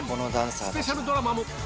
スペシャルドラマも。